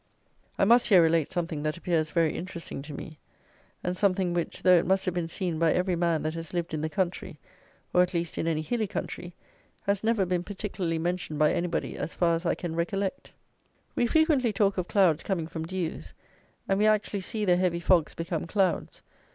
I must here relate something that appears very interesting to me, and something, which, though it must have been seen by every man that has lived in the country, or, at least, in any hilly country, has never been particularly mentioned by anybody as far as I can recollect. We frequently talk of clouds coming from dews; and we actually see the heavy fogs become clouds.